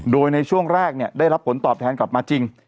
โดยในช่วงแรกได้รับผลตอบแทนกลับมาจริง